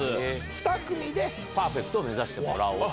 ふた組でパーフェクトを目指してもらう。